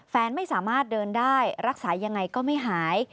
แฟนไม่สามารถเดินได้รักษายังไงก็ไม่หาย